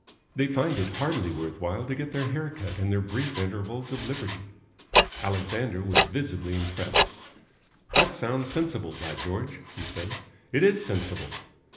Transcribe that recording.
They find it hardly worth while to get their hair cut in their brief intervals of liberty." Alexander was visibly impressed. "That sounds sensible, by George!" he said. "It is sensible."